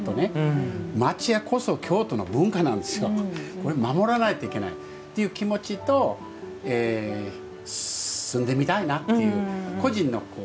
これ守らないといけないという気持ちと住んでみたいなっていう個人の気持ち。